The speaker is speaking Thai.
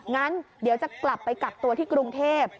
งั้นเดี๋ยวจะกลับไปกักตัวที่กรุงเทพ